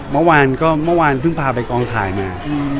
เมื่อวานก็เมื่อวานเพิ่งพาไปกองถ่ายมา